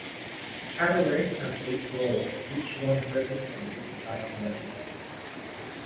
KaDeWe has eight floors, each one focused on a different type of merchandise.